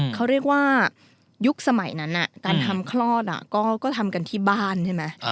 เขาเรียกว่ายุคสมัยนั้นการทำคลอดก็ทำกันที่บ้านใช่ไหม